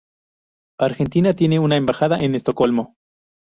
Argentina tiene una embajada en Estocolmo.